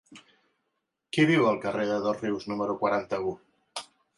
Qui viu al carrer de Dosrius número quaranta-u?